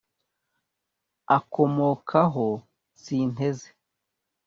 akomokaho, sinteze